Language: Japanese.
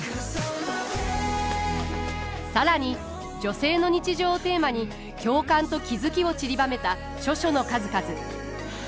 更に女性の日常をテーマに共感と気付きをちりばめた著書の数々。